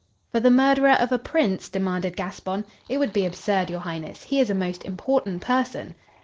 "For the murderer of a prince?" demanded Gaspon. "It would be absurd, your Highness. He is a most important person."